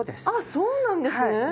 あっそうなんですね！